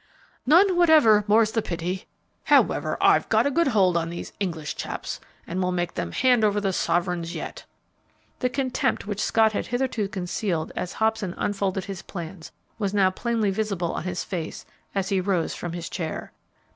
"None whatever, more's the pity. However, I've got a good hold on these English chaps and will make them hand over the sovereigns yet." The contempt which Scott had hitherto concealed as Hobson unfolded his plans was now plainly visible on his face as he rose from his chair.